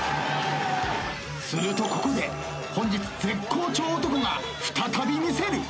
するとここで本日絶好調男が再び見せる。